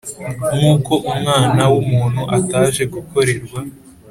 nk’uko Umwana w’umuntu ataje gukorerwa